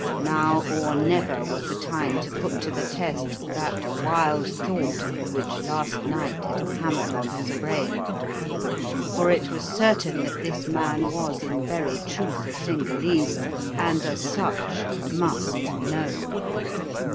Now or never was the time to put to the test that wild thought which last night had hammered on his brain, for it was certain that this man was in very truth a Cingalese, and, as such, must know!